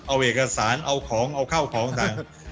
เอาเอกสารเอาของเอาข้าวของต่าง